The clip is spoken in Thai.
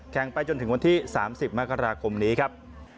ไปจนถึงวันที่๓๐มกราคมนี้ครับ